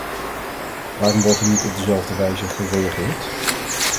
Waarom wordt er niet op dezelfde wijze gereageerd?